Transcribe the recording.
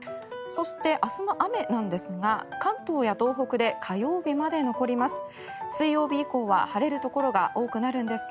そして、明日の雨なんですが関東や東北で火曜日まで残ります。